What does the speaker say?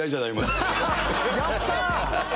やったー！